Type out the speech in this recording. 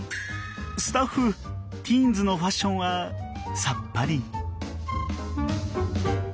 スタッフティーンズのファッションはさっぱり。